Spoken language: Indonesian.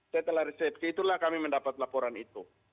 setelah resepsi itulah kami mendapat laporan itu